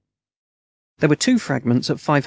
There were two fragments at 500° F.